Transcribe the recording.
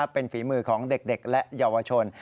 เป็นฝีมือของเด็กและเยาวชน